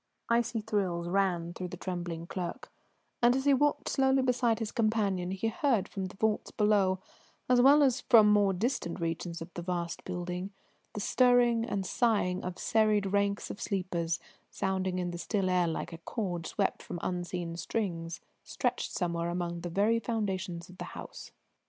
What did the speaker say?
Icy thrills ran through the trembling clerk, and as he walked slowly beside his companion he heard from the vaults below, as well as from more distant regions of the vast building, the stirring and sighing of the serried ranks of sleepers, sounding in the still air like a chord swept from unseen strings stretched somewhere among the very foundations of the house.